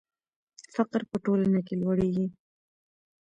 فقر په ټولنه کې لوړېږي.